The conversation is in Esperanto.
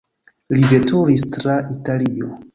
Li veturis tra Italio.